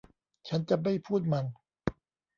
ฉันจะไม่พูดมัน